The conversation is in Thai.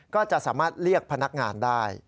ก็จะสามารถเรียกพนักงานได้